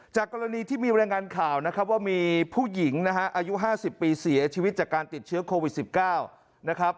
กรณีที่มีรายงานข่าวนะครับว่ามีผู้หญิงนะฮะอายุ๕๐ปีเสียชีวิตจากการติดเชื้อโควิด๑๙นะครับ